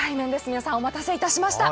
皆さん、お待たせいたしました。